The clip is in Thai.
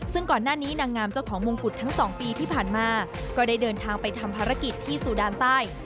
ซึ่งก่อนหน้านี้นางงามเจ้าของมงกุฎทั้งสองปีที่ผ่านมาก็ได้เดินทางไปทำภารกิจที่สูดานใต้